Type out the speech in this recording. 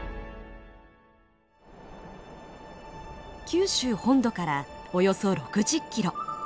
九州本土からおよそ６０キロ。